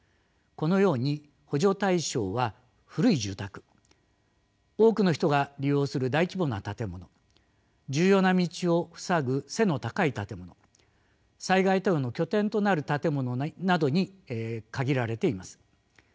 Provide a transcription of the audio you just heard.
このように補助対象は古い住宅多くの人が利用する大規模な建物重要な道を塞ぐ背の高い建物災害対応の拠点となる建物などに限られています。